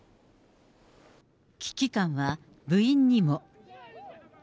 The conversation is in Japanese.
危機感は部員にも。